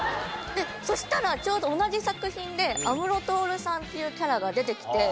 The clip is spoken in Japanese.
そしたらちょうど同じ作品で安室透さんっていうキャラが出てきて。